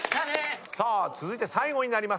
さあ続いて最後になります。